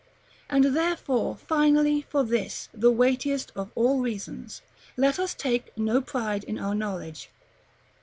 And therefore finally, for this, the weightiest of all reasons, let us take no pride in our knowledge.